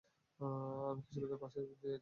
আমি কিছু লোকের পাশ দিয়ে যাচ্ছিলাম।